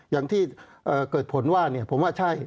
อย่างที่เกิดผลว่าผมว่าใช่